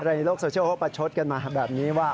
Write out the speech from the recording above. ในโลกโซเชียลเขาประชดกันมาแบบนี้ว่า